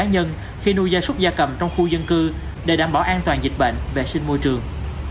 cá nhân khi nuôi gia súc gia cầm trong khu dân cư để đảm bảo an toàn dịch bệnh vệ sinh môi trường